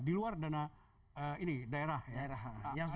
di luar dana ini daerah